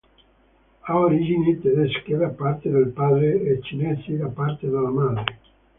Ha origini tedesche da parte del padre e cinesi da parte della madre.